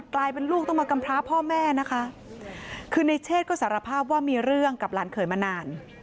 กลายเป็นลูกต้องมากำพร้าพ่อแม่นะคะคือในเชศก็สารภาพว่ามีเรื่องกับหลานเขยมานาน